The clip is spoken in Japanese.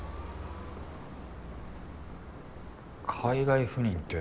海外赴任って？